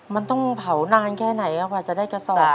มันต้องเผานานแค่ไหนกว่าจะได้กระสอบ